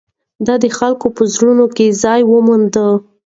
ده د خلکو په زړونو کې ځای وموند.